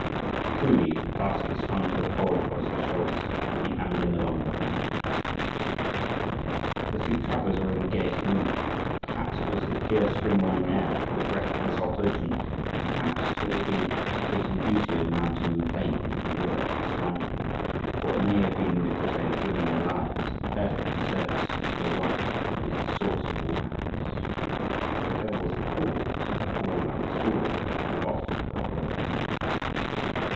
The coolies, with baskets hung to a pole across their shoulders, came ambling along behind. The three travelers were in the gayest mood. Perhaps it was the clear spring morning air, or the breath of the salt ocean, perhaps it was the intoxicating beauty of mountain and plain and river that surrounded them or it may have been because they had given their lives in perfect service to the One who is the source of all happiness, but whatever was the cause, they were all like schoolboys off for a holiday.